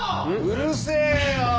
うるせえよ！